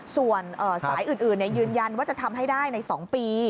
ส่วนสายอื่นยืนยันว่าจะทำให้ได้ใน๒ปี